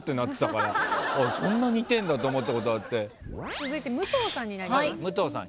続いて武藤さんになります。